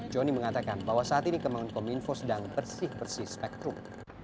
jonny mengatakan bahwa saat ini kemampuan komunikasi sedang bersih bersih spektrum